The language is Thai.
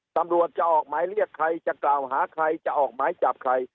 ตำรวจจะออกหมายเรียกใครจะกล่าวหาใครจะออกหมายจับใคร